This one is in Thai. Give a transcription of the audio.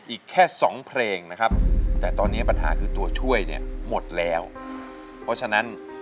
อีกแค่สองเพลงนะครับแต่ตอนนี้ปัญหาคือตัวช่วยเนี่ยหมดแล้วเพราะฉะนั้น